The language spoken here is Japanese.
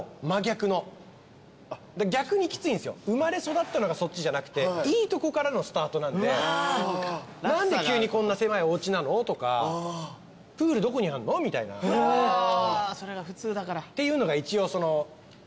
逆にきついんですよ生まれ育ったのがそっちじゃなくていいとこからのスタートなんで何で急にこんな狭いおうちなのとかプールどこにあるのみたいな。っていうのが一応ありまして。